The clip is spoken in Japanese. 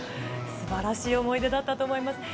すばらしい思い出だったと思います。